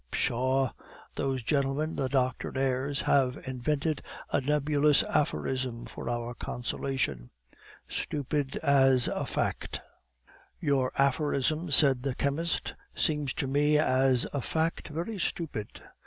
"Pshaw! those gentlemen the doctrinaires have invented a nebulous aphorism for our consolation Stupid as a fact." "Your aphorism," said the chemist, "seems to me as a fact very stupid."